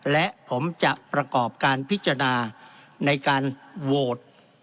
และผมจะประกอบการพิจารณาในการโหวต